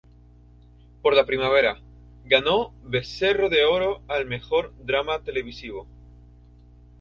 Por la primera, ganó un Becerro de Oro al mejor drama televisivo.